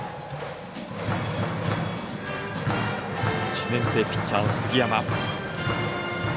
１年生ピッチャーの杉山。